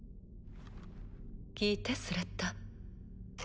聞いてスレッタ。